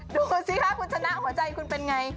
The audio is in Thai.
ดูสิคะคุณชนะหัวใจคุณเป็นไง